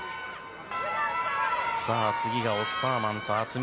さあ、次がオスターマンと渥美。